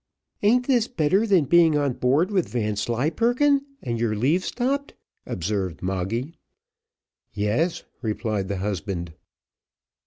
"An't this better than being on board with Vanslyperken, and your leave stopped?" observed Moggy. "Yes," replied the husband.